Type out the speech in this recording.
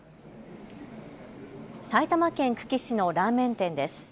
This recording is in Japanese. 埼玉県久喜市のラーメン店です。